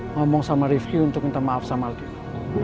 ngomong sama rifqi untuk minta maaf sama aldino